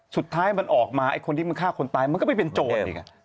สุดท้ายมันออกมาไอ้คนที่มันฆ่าคนตายมันก็ไม่เป็นโจทย์อีก